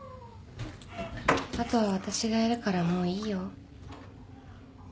あとは私がやるからもういいよ